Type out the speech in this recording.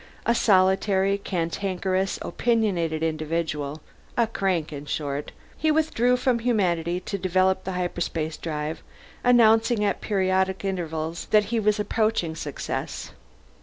A solitary, cantankerous, opinionated individual a crank, in short he withdrew from humanity to develop the hyperspace drive, announcing at periodic intervals that he was approaching success.